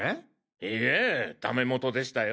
いえダメ元でしたよ。